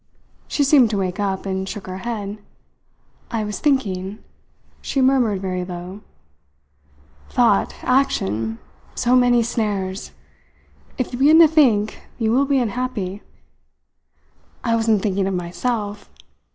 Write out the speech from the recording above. She seemed to wake up, and shook her head. "I was thinking," she murmured very low. "Thought, action so many snares! If you begin to think you will be unhappy." "I wasn't thinking of myself!"